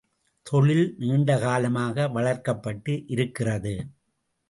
தொழில் நீண்டகாலமாக வளர்க்கப்பட்டு இருக்கிறது.